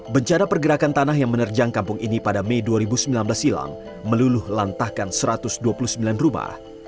bencana pergerakan tanah yang menerjang kampung ini pada mei dua ribu sembilan belas silam meluluh lantahkan satu ratus dua puluh sembilan rumah